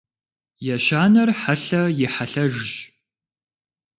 Ещанэр хьэлъэ и хьэлъэжщ.